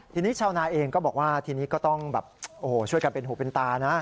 ทีนี้ชาวนาเองก็บอกว่าทีนี้ก็ต้องแบบโอ้โหช่วยกันเป็นหูเป็นตานะ